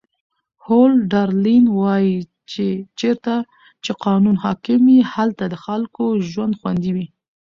هولډرلین وایي چې چیرته چې قانون حاکم وي هلته د خلکو ژوند خوندي وي.